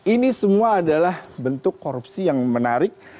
ini semua adalah bentuk korupsi yang menarik